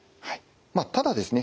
ただですね